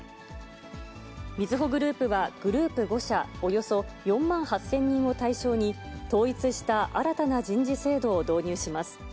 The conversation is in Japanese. みずほグループは、グループ５社、およそ４万８０００人を対象に、統一した新たな人事制度を導入します。